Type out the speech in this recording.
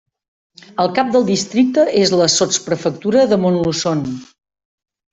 El cap del districte és la sotsprefectura de Montluçon.